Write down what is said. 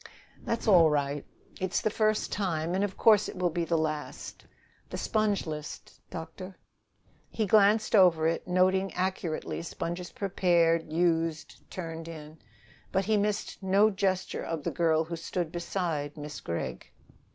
"That's all right. It's the first time, and of course it will be the last." "The sponge list, doctor." He glanced over it, noting accurately sponges prepared, used, turned in. But he missed no gesture of the girl who stood beside Miss Gregg.